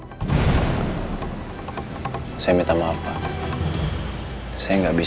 saya nggak bisa membahas masalah pematang relat saya di forum seperti ini